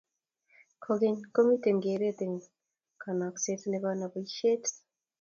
kogeny komiten geret eng konekseet nebo nabishet